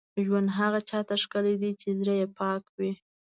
ژوند هغه چا ته ښکلی دی، چې زړه یې پاک وي.